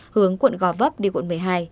hướng quận gò vấp đi quận một mươi hai